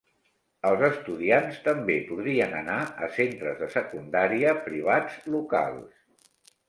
Els estudiants també podrien anar a centres de secundària privats locals.